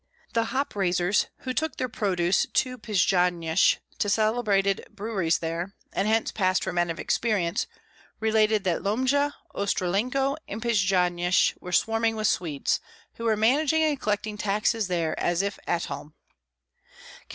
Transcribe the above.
The hop raisers, who took their produce to Pjasnysh to the celebrated breweries there, and hence passed for men of experience, related that Lomja, Ostrolenko, and Pjasnysh were swarming with Swedes, who were managing and collecting taxes there as if at home.